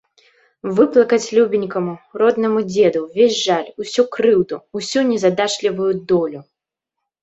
Выплакаць любенькаму, роднаму дзеду ўвесь жаль, усю крыўду, усю незадачлівую долю.